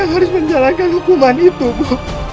aku harus menjalankan hukuman itu ibu